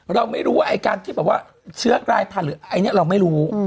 เราไม่รู้ว่าไอ้การที่แบบว่าเชื้อกลายพันธุ์หรืออันนี้เราไม่รู้